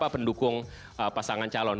pendukung pasangan calon